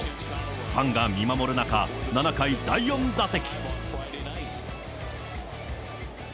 ファンが見守る中、７回第４打席。